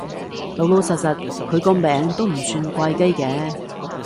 老老實實，佢個名都唔算怪雞嘅